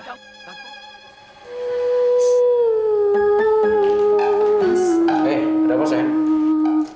eh ada apa sayang